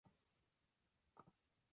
The case was thrown out.